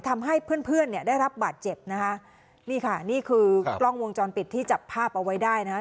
ทำให้เพื่อนเพื่อนเนี่ยได้รับบาดเจ็บนะคะนี่ค่ะนี่คือกล้องวงจรปิดที่จับภาพเอาไว้ได้นะคะ